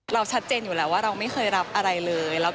เราชัดเจนอยู่แล้วว่าเราไม่เคยรับอะไรเลย